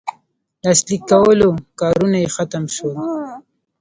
لاسلیک کولو کارونه یې ختم سول.